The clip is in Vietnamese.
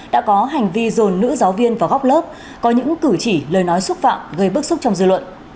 đã có hành vi dồn nữ giáo viên vào góc lớp có những cử chỉ lời nói xúc phạm gây bức xúc trong dư luận